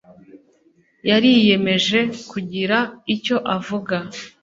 yariyemeje kugira icyo avuga.